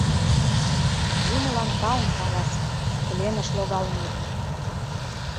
Юмылан таум каласе: пленыш логалын отыл.